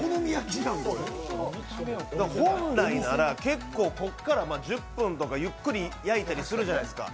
本来なら結構、こっから１０分とかゆっくり焼いたりするじゃないですか。